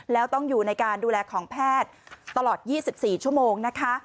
แล้วต้องอยู่ในการดูแลของแพทย์ตลอด๒๔ชั่วโมงนะคะ